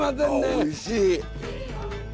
おいしい。